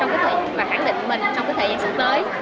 và khẳng định mình trong cái thời gian sắp tới